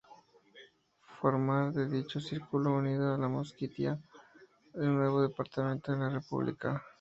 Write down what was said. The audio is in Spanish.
Formar de dicho circulo unido a la Mosquitia un nuevo Departamento de la República.